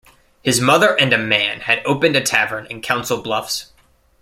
His mother and a man had opened a tavern in Council Bluffs.